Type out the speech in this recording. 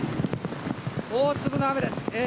大粒の雨です。